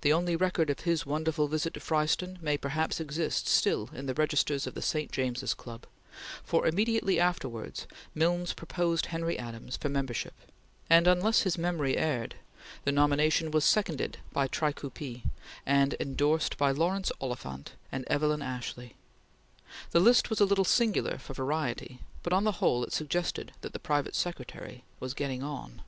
The only record of his wonderful visit to Fryston may perhaps exist still in the registers of the St. James's Club, for immediately afterwards Milnes proposed Henry Adams for membership, and unless his memory erred, the nomination was seconded by Tricoupi and endorsed by Laurence Oliphant and Evelyn Ashley. The list was a little singular for variety, but on the whole it suggested that the private secretary was getting on.